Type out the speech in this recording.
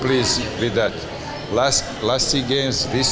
pertandingan kemarin pertandingan kemarin